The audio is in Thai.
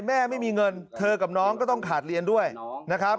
ไม่มีเงินเธอกับน้องก็ต้องขาดเรียนด้วยนะครับ